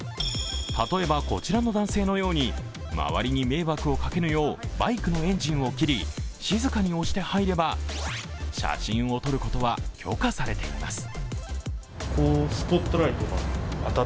例えばこちらの男性のように周りに迷惑をかけぬようバイクのエンジンを切り、静かに押して入れば写真を撮ることは許可されています。